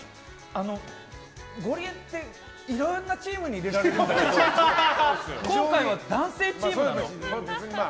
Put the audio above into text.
あの、ゴリエっていろんなチームに入れられるんだけど今回は男性チームなの？